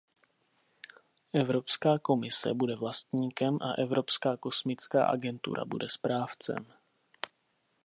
Evropská komise bude vlastníkem a Evropská kosmická agentura bude správcem.